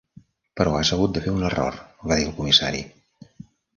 "Però has hagut de fer un error", va dir el Comissari.